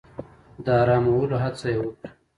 د آرامولو هڅه يې وکړه.